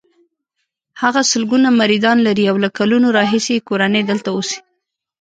هغه سلګونه مریدان لري او له کلونو راهیسې یې کورنۍ دلته اوسي.